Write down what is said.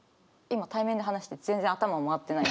今対面で話してて全然頭回ってないです。